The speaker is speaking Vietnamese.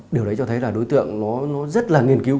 điều đấy cho thấy là đối tượng nó rất là nghiên cứu